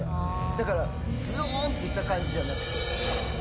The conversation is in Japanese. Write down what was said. だからゾっとした感じじゃなくて。